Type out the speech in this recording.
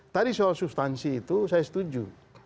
tadi soal substansi itu saya setuju